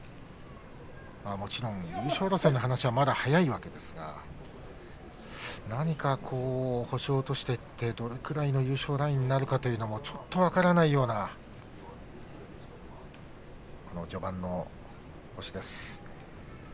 もちろん優勝争いの話はまだ早いわけですが何かどのくらいの優勝ラインになるかというのもちょっと分からないようなこの序盤の星です。